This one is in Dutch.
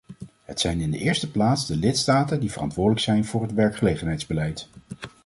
Het zijn in de eerste plaats de lidstaten die verantwoordelijk zijn voor het werkgelegenheidsbeleid.